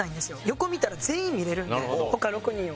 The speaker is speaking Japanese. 横見たら全員見れるんで他６人を。